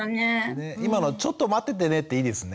今の「ちょっと待っててね」っていいですね。